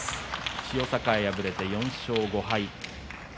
千代栄、敗れて４勝５敗。